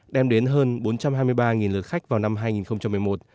đem đến hơn bốn trăm hai mươi ba lượt khách vào năm hai nghìn một mươi một